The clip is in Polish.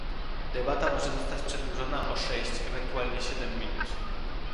Debata może zostać przedłużona o sześć, ewentualnie siedem minut